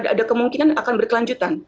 ada kemungkinan akan berkelanjutan